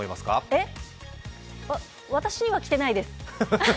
えっ、私には来てないです。